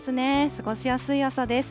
過ごしやすい朝です。